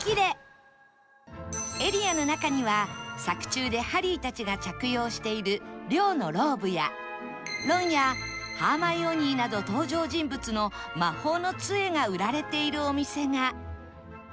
エリアの中には作中でハリーたちが着用している寮のローブやロンやハーマイオニーなど登場人物の魔法の杖が売られているお店が